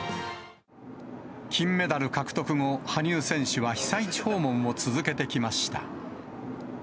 金メダル獲得後、羽生選手は被災地訪問を続けてきました。